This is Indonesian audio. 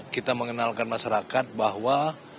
kita mengenalkan masyarakat bahwa